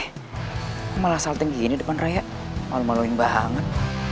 kok malah salting gini depan raya malu maluin banget